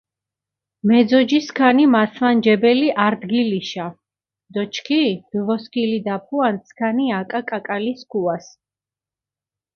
მეზოჯი სქანი მასვანჯებელი არდგილიშა დო ჩქი დჷვოსქილიდაფუანთ სქანი აკა კაკალი სქუას.